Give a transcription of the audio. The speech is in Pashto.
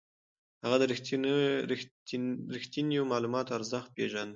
هغه د رښتينو معلوماتو ارزښت پېژانده.